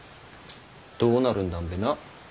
どうなるんだんべなぁ。